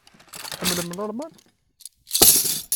Tḥemmlem Lalman?